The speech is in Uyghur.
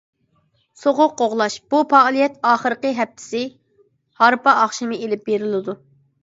سوغۇق قوغلاش: بۇ پائالىيەت ئاخىرقى ھەپتىسى ھارپا ئاخشىمى ئېلىپ بېرىلىدۇ.